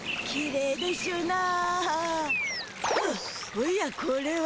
おやこれは？